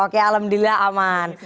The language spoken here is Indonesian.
oke alhamdulillah aman